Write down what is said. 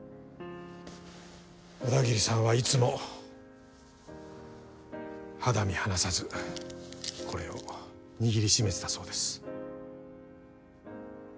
小田切さんはいつも肌身離さずこれを握り締めてたそうです。